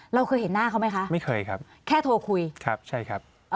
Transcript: เราเคยเห็นหน้าเขาไหมคะแค่โทรคุยครับใช่ครับไม่เคยครับ